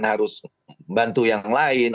terus bantu yang lain